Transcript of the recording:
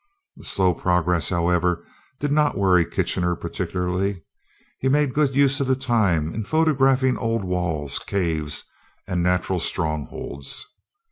The slow progress, however, did not worry Kitchener particularly. He made good use of the time in photographing old walls, caves, and natural strongholds.